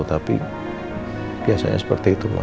tapi biasanya seperti itu mbak